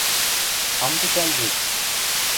Ам тӹкал вет...